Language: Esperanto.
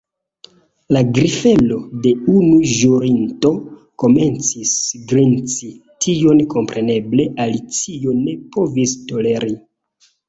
La grifelo de unu ĵurinto komencis grinci. Tion kompreneble Alicio ne povis toleri.